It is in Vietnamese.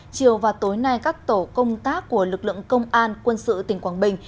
chiều và tối nay các tổ công tác của lực lượng công an quân sự tỉnh quảng bình